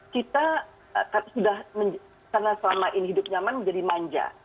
kita sudah karena selama ini hidup nyaman menjadi manja